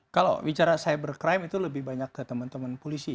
kalau bicara cyber crime itu lebih banyak ke teman teman polisi ya